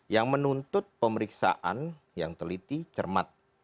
yang menuntut pemeriksaan yang teliti cermat